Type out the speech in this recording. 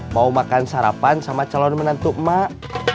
mau makan sarapan sama calon menantu emak